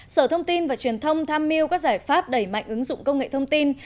sở thông tin và truyền thông tham mưu các giải pháp đẩy mạnh ứng dụng công nghệ thông tin